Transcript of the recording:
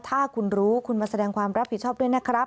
ถ้าคุณรู้คุณมาแสดงความรับผิดชอบด้วยนะครับ